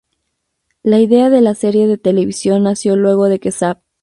La idea de la serie de televisión nació luego de que Sav!